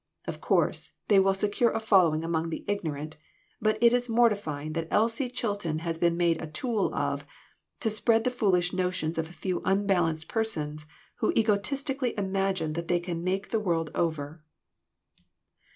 Of course, they will secure a following among the ignorant, but it is mortify ing that Elsie Chilton has been made a tool of, to spread the foolish notions of a few unbalanced persons who egotistically imagine that they can make the world over."